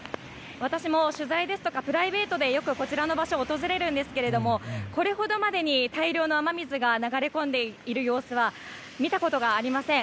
私も取材ですとかプライベートでよくこちらの場所訪れるんですけどもこれほどまでに大量の雨水が流れ込んでいる様子は見たことがありません。